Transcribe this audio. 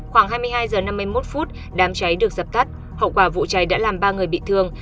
khoảng hai mươi hai h năm mươi một phút đám cháy được dập tắt hậu quả vụ cháy đã làm ba người bị thương